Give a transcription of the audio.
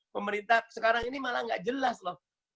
pemerintah sekarang ini malah nggak jelas loh